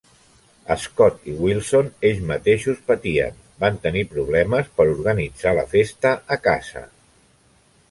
Scott i Wilson, ells mateixos patien, van tenir problemes per organitzar la festa a casa.